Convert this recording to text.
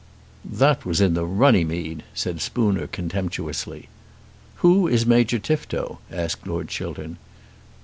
"That was in the Runnymede," said Spooner contemptuously. "Who is Major Tifto?" asked Lord Chiltern.